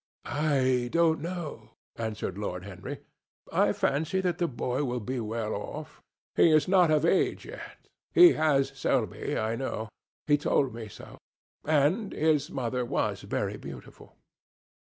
"I don't know," answered Lord Henry. "I fancy that the boy will be well off. He is not of age yet. He has Selby, I know. He told me so. And ... his mother was very beautiful?"